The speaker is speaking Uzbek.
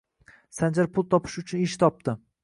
Sanjar pul topish uchun ish topdi